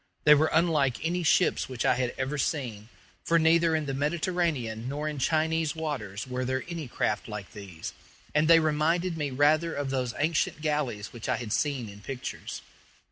They were unlike any ships which I had ever seen; for neither in the Mediterranean nor in Chinese waters were there any craft like these, and they reminded me rather of those ancient galleys which I had seen in pictures.